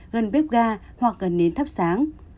gần bếp ga hoặc gần nến thắp sáng